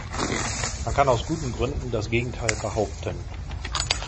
Man kann aus guten Gründen das Gegenteil behaupten.